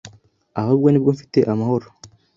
ahubwo nibwo mfite amahoro